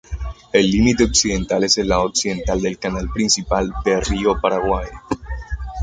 El límite occidental es el lado occidental del canal principal del río Paraguay.